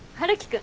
君？